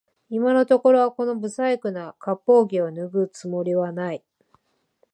今のところはこの不細工な割烹着を脱ぐつもりはない